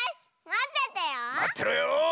まってろよ！